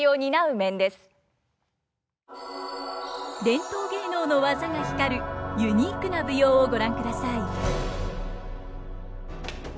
伝統芸能の技が光るユニークな舞踊をご覧ください。